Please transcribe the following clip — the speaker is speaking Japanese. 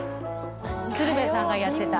鶴瓶さんがやってた。